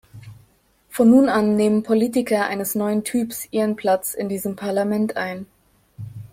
Von nun an nehmen Politiker eines neuen Typs ihren Platz in diesem Parlament ein.